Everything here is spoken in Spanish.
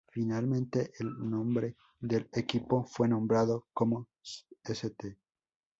Finalmente, el nombre del equipo fue nombrado como St.